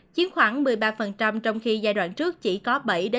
chiến khoảng một mươi ba trong khi giai đoạn trước chỉ có bảy tám